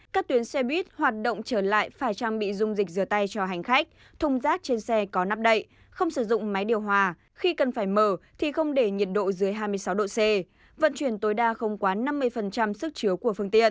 các tuyến xe buýt hoạt động trở lại phải trang bị dung dịch rửa tay cho hành khách thùng rác trên xe có nắp đậy không sử dụng máy điều hòa khi cần phải mở thì không để nhiệt độ dưới hai mươi sáu độ c vận chuyển tối đa không quá năm mươi sức chứa của phương tiện